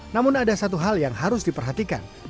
namun ada satu hal yang harus diperhatikan